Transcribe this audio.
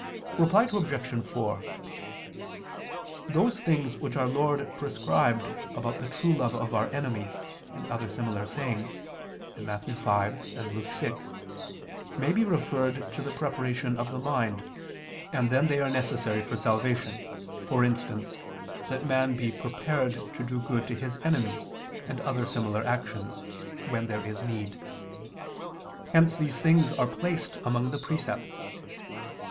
Reply Obj. 4: Those things which Our Lord prescribed about the true love of our enemies, and other similar sayings (Matt. 5; Luke 6), may be referred to the preparation of the mind, and then they are necessary for salvation; for instance, that man be prepared to do good to his enemies, and other similar actions, when there is need. Hence these things are placed among the precepts.